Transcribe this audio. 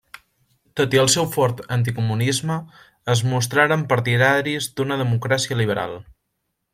Tot i el seu fort anticomunisme, es mostraren partidaris d'una democràcia liberal.